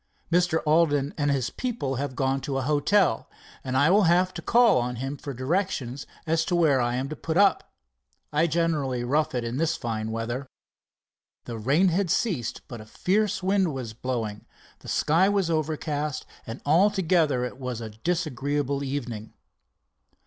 "Mr. Alden and his people have gone to a hotel, and I will have to call on him for directions as to where I am to put up. I generally rough it this fine weather." The rain had ceased, but a fierce wind was blowing, the sky was overcast, and altogether it was a disagreeable evening.